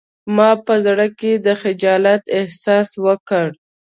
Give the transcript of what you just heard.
ما په زړه کې د خجالت احساس وکړ